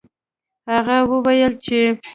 هغه وویل چې